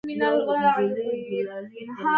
نن پر شپږ بجو لمر پرېوت.